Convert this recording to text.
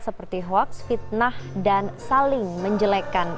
seperti hoax fitnah dan saling menjelekan